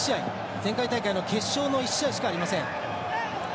前回大会の決勝の１試合しかありません。